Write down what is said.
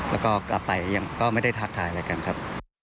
แล้วก็กลับไปยังก็ไม่ได้ทักทายอะไรกันครับ